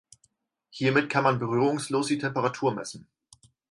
Hiermit kann man berührungslos die Temperatur messen.